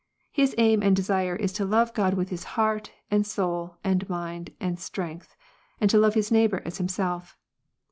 His aim and desire is to love God with heart, and soul, and mind, and strength, and to Jove ^his neighbour as himself.